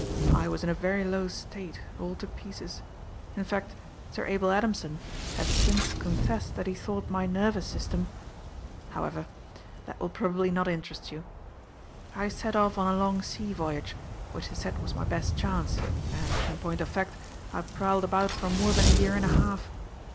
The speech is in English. I was in a very low state — all to pieces ! In fact. Sir Abel Adamson has since confessed that he thought my nervous system — however, that will probably not interest you. I set off on a long sea voyage, which they said was my best chance. And, in point of fact, I prowled about for more than a year and a half.